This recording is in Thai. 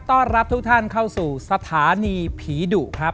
ต้อนรับทุกท่านเข้าสู่สถานีผีดุครับ